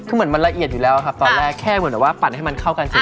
คือเหมือนมันละเอียดอยู่แล้วครับตอนแรกแค่เหมือนแบบว่าปั่นให้มันเข้ากันเสร็จ